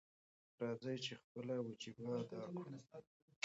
راځئ چې خپله وجیبه ادا کړو.